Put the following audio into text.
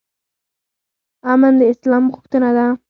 امن د اسلام غوښتنه ده